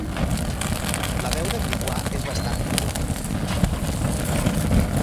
La veu de Grevioux és bastant profunda.